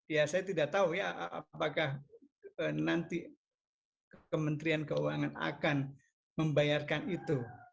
ya saya tidak tahu ya apakah nanti kementerian keuangan akan membayarkan itu